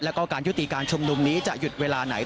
แล้วก็การยุติการชุมนุมนี้จะหยุดเวลาไหน